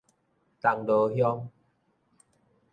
銅鑼鄉